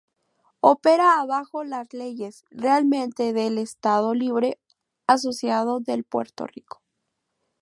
Opera bajo las leyes y reglamentos del Estado Libre Asociado de Puerto Rico.